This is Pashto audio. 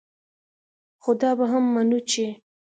خو دا به هم منو چې